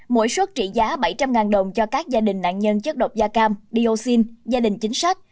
mỗi xuất trị giá bảy trăm linh đồng cho các gia đình nạn nhân chất độc da cam dioxin gia đình chính sách